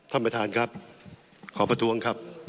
ท่านประธานครับขอประท้วงครับ